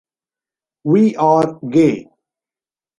We are gay.